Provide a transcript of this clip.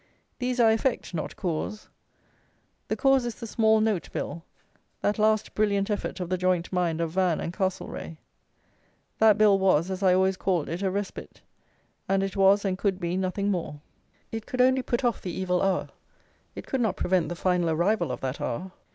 These are effect; not cause. The cause is the Small note Bill, that last brilliant effort of the joint mind of Van and Castlereagh. That Bill was, as I always called it, a respite; and it was, and could be, nothing more. It could only put off the evil hour; it could not prevent the final arrival of that hour.